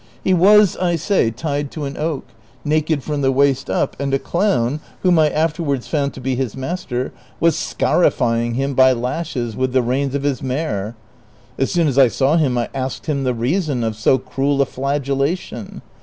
He Avas, I say, tied to an oak, naked from the waist up, anr' a clown, Avhom I afterwards found to be his master, was scarify ing him by lashes with the reins of his mare. As soon as I saw him I asked the reason of so cruel a flagellation.